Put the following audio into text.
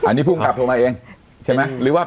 อันนี้พุ่งกลับโทรมาเอง